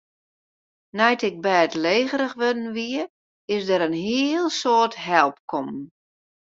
Nei't ik bêdlegerich wurden wie, is der in hiel soad help kommen.